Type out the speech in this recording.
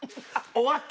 終わった？